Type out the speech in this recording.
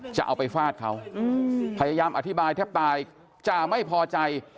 จะเอาไปฟาดเขาพยายามอธิบายแทบตายจ่าไม่พอใจ